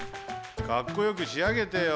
かっこよくしあげてよ。